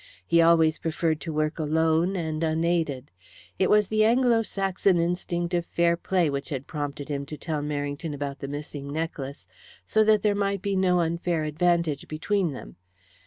He always preferred to work alone and unaided. It was the Anglo Saxon instinct of fair play which had prompted him to tell Merrington about the missing necklace, so that there might be no unfair advantage between them.